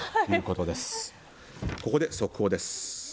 ここで速報です。